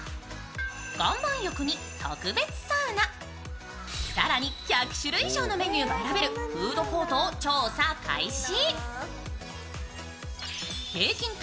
岩盤浴に特別サウナ、更に、１００種類以上のメニューが選べるフードコートを調査開始。